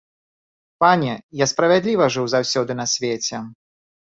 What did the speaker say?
Пане, я справядліва жыў заўсёды на свеце.